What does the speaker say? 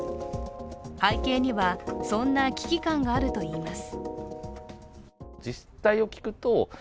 背景には、そんな危機感があるといいます。